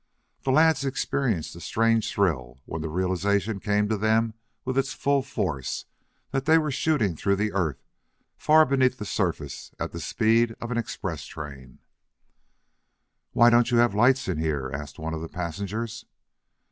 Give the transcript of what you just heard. The lads experienced a strange thrill when the realization came to them with its full force, that they were shooting through the earth, far beneath the surface at the speed of an express train. "Why don't you have lights in here?" asked one of the passengers.